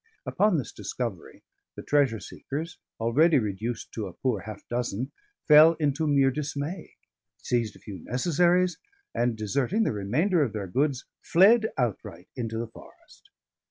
Upon this discovery, the treasure seekers, already reduced to a poor half dozen, fell into mere dismay, seized a few necessaries, and, deserting the remainder of their goods, fled outright into the forest.